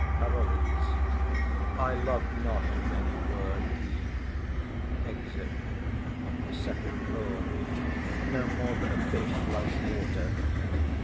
PAROLLES. I love not many words. [Exit.] FIRST LORD. No more than a fish loves water.